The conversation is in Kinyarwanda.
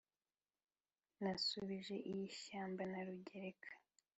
nashubije iy’ishyamba na rugereka